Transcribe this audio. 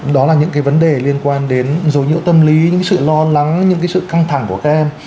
đó là những cái vấn đề liên quan đến dấu hiệu tâm lý những sự lo lắng những cái sự căng thẳng của các em